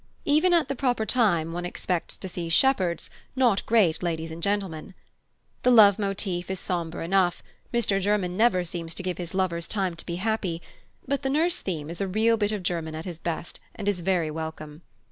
Even at the proper time one expects to see shepherds, not great ladies and gentlemen. The Love motif is sombre enough Mr German never seems to give his lovers time to be happy; but the Nurse theme is a real bit of German at his best, and is very welcome.